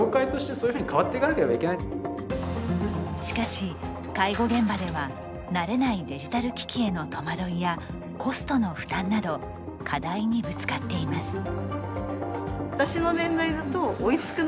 しかし介護現場では慣れないデジタル機器へのとまどいやコストの負担など課題にぶつかっています。